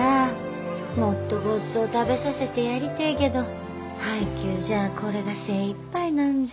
もっとごっつぉお食べさせてやりてえけど配給じゃあこれが精いっぱいなんじゃ。